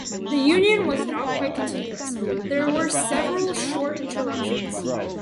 The Union was not quite continuous; there were several short interruptions.